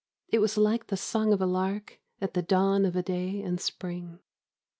It was like the song of a lark at the dawn of a day in spring.